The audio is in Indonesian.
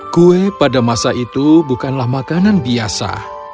kue pada masa itu bukanlah makanan biasa